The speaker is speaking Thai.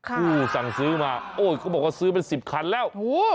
ผู้สั่งซื้อมาโอ้ยเขาบอกว่าซื้อเป็น๑๐คันแล้ว